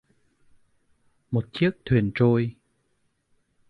Một chiếc thyền trôi